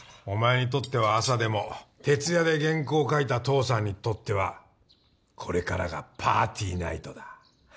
お前にとっては朝でも徹夜で原稿を書いた父さんにとってはこれからがパーティーナイトだ。